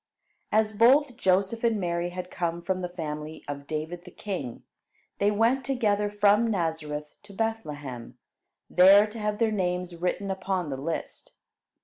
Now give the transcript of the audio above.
As both Joseph and Mary had come from the family of David the king, they went together from Nazareth to Bethlehem, there to have their names written upon the list.